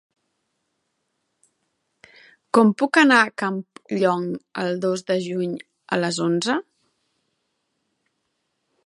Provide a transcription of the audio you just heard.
Com puc anar a Campllong el dos de juny a les onze?